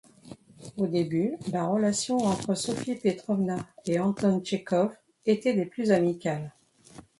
Au début, la relation entre Sophie Petrovna et Anton Tchekhov était des plus amicales.